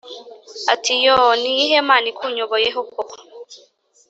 ati"yooh niyihe mana ikunyoboyeho koko ?